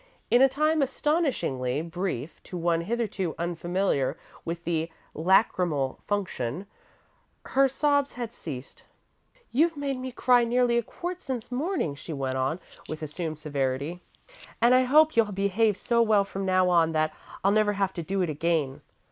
In a time astonishingly brief to one hitherto unfamiliar with the lachrymal function, her sobs had ceased. "You've made me cry nearly a quart since morning," she went on, with assumed severity, "and I hope you'll behave so well from now on that I'll never have to do it again.